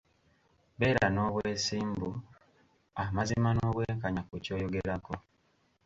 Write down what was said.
Beera n'obwesimbu, amazima n'obwenkanya ku ky'oyogerako.